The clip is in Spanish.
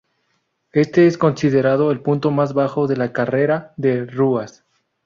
Este es considerado el punto más bajo de la carrera de Ruas.